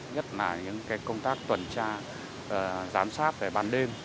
nhất là những công tác tuần tra giám sát về ban đêm